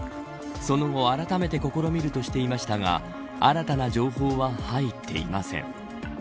その後、あらためて試みるとしていましたが新たな情報は入っていません。